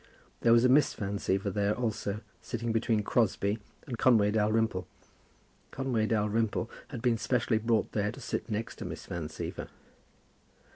There was a Miss Van Siever there also, sitting between Crosbie and Conway Dalrymple. Conway Dalrymple had been specially brought there to sit next to Miss Van Siever.